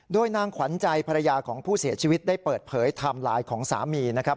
โดยนางขวัญใจภรรยาของผู้เสียชีวิตได้เปิดเผยไทม์ไลน์ของสามีนะครับ